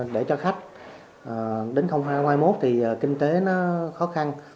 để cho khách đến hai nghìn hai mươi một thì kinh tế nó khó khăn